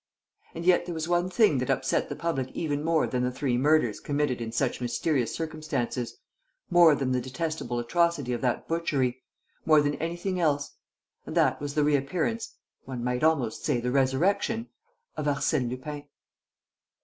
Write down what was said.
And yet there was one thing that upset the public even more than the three murders committed in such mysterious circumstances, more than the detestable atrocity of that butchery, more than anything else; and that was the reappearance one might almost say the resurrection of Arsène Lupin.